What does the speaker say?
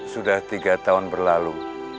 sudah tiga tahun berlalu